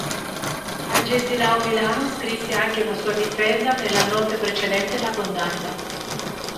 Agesilao Milano scrisse anche una sua difesa nella notte precedente la condanna.